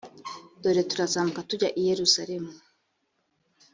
dore turazamuka tujya i yerusalemu